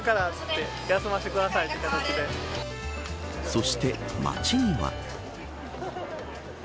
そして街には。